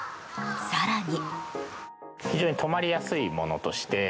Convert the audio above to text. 更に。